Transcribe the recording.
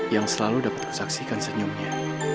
yang selalu dapat ku saksikan senyummu